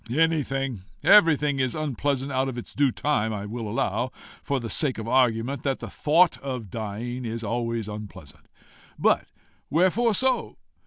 "Anything, everything is unpleasant out of its due time. I will allow, for the sake of argument, that the thought of dying is always unpleasant. But wherefore so?